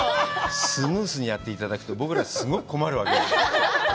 スムーズにやっていただくと、僕ら、すごく困るわけ。